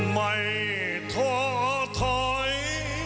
ไม่ท้อถอย